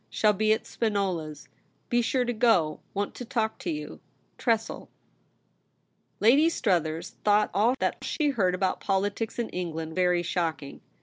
Shall be at Spinola's. Be sure to go ; want to talk to you. ' Tressel.' Lady Struthers thought all that she heard about politics in England very shocking.